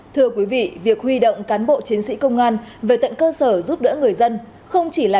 thưa quý vị việc huy động cán bộ chiến sĩ công an về tận cơ sở giúp đỡ người dân không chỉ là